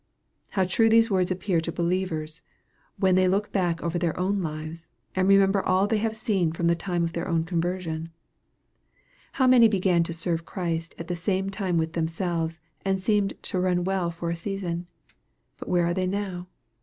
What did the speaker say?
How true these words appear to believers, when they look back over their own lives, and remember all they have seen from the time of their own conversion 1 How many began to serve Christ at the same time with them selves and seemed to run well for a season. But where are they now